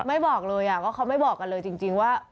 ไม่บอกเลยเพราะเขาไม่บอกกันเลยจริงว่า